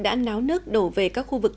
đã náo nước đổ về các khu vực